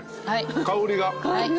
香りが。